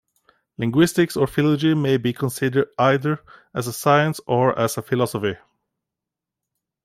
Linguistics or philology may be considered either as a science or as a philosophy.